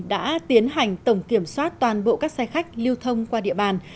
đã tiến hành tổng kiểm soát toàn bộ các xe khách lưu thông qua địa bàn